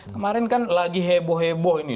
kemarin kan lagi heboh heboh ini